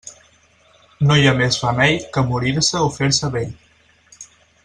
No hi ha més remei que morir-se o fer-se vell.